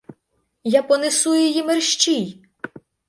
Я понесу її мерщій!